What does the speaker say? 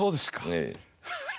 ええ。